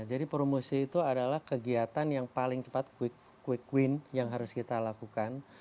jadi promosi itu adalah kegiatan yang paling cepat quick win yang harus kita lakukan